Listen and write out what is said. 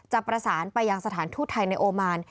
จะประสานไปยังสถานทูตไทยในโอมาน